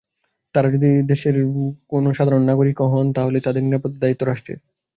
তারা যদি দেশের সাধারণ নাগরিকও হন, তাহলে তাদের নিরাপত্তার দায়িত্ব রাষ্ট্রের।